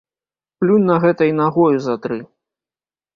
Плюнь на гэта і нагою затры.